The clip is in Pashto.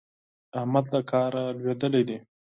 احمد له کاره لوېدلی دی.